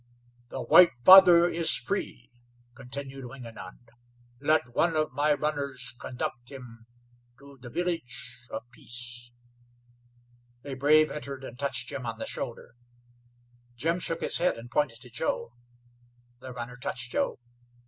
"The white father is free," continued Wingenund. "Let one of my runners conduct him to the Village of Peace." A brave entered and touched Jim on the shoulder. Jim shook his head and pointed to Joe. The runner touched Joe.